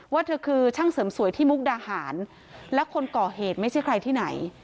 เธอคือช่างเสริมสวยที่มุกดาหารและคนก่อเหตุไม่ใช่ใครที่ไหน